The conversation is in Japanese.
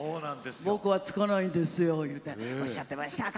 僕はつかないんですよっておっしゃっていました。